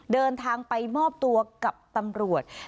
เดินทางไปมอบตัวกับตำรวจ